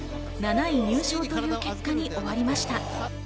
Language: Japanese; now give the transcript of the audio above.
７位入賞という結果に終わりました。